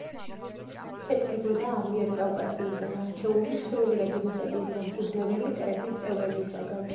შედგებოდა ამიერკავკასიიდან არჩეული სრულიად რუსეთის დამფუძნებელი კრების წევრებისაგან.